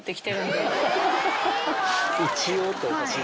「一応」っておかしい。